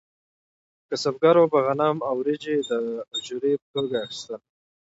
کسبګرو به غنم او وریجې د اجورې په توګه اخیستل.